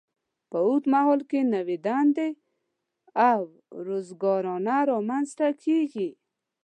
په اوږد مهال کې نوې دندې او روزګارونه رامینځته کیږي.